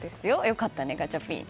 よかったね、ガチャピン。